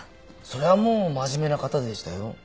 それはもう真面目な方でしたよ。